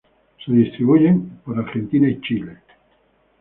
Se distribuyen por Argentina y Chile.